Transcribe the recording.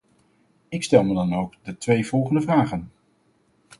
Ik stel me dan ook de twee volgende vragen.